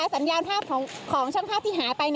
สัญญาณภาพของช่างภาพที่หายไป